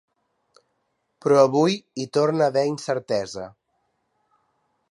Però avui hi torna a haver incertesa.